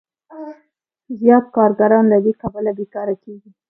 زیات کارګران له دې کبله بېکاره کېږي